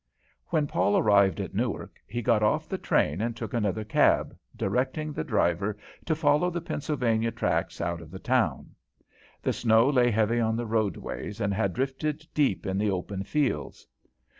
When Paul arrived at Newark, he got off the train and took another cab, directing the driver to follow the Pennsylvania tracks out of the town. The snow lay heavy on the roadways and had drifted deep in the open fields.